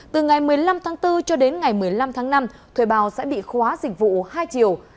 từ ngày một mươi năm tháng bốn cho đến ngày một mươi năm tháng năm thuê bao sẽ bị khóa dịch vụ hai chiều